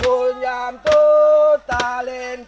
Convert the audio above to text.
punyam tu tak lengket